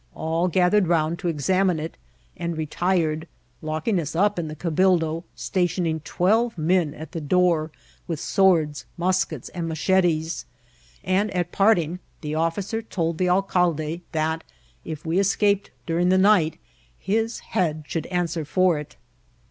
All gathered round to ex amine it, and retired, locking us up in the cabildo, sta^ tioning twelve men at the door with swords, muskets, and machetes ; and, at jparting, the officer told the al* <»lde that, if we escaped during the night, his head should answer for it.